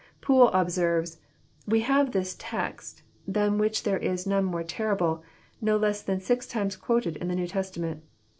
Poole observes: "We have this text, than which there is none more terrible, no less than six times quoted in the New Testament.